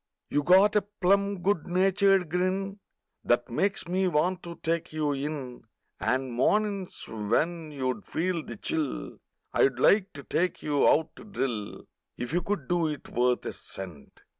You got a plum good natured grin That makes me want to take you in And mornin's when you'd feel the chill I'd love to take you out to drill If you could do it worth a cent!